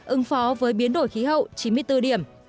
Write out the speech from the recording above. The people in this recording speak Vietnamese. ứng phó với biến đổi khí hậu chín mươi bốn điểm